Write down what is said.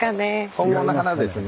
本物の花ですね。